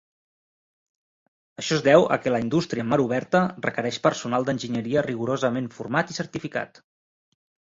Això es deu a que la indústria en mar oberta requereix personal d'enginyeria rigorosament format i certificat.